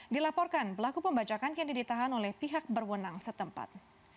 dilaporkan pelaku pembajakan kini ditahan oleh pihak berwenang setempat